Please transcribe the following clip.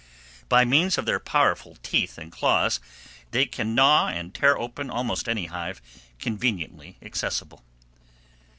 By means of their powerful teeth and claws they can gnaw and tear open almost any hive conveniently accessible.